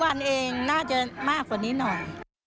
วันเองน่าจะมากกว่านี้หน่อย